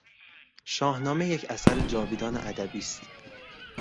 شاهنامه یک اثر جاویدان ادبی است.